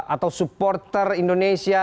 atau supporter indonesia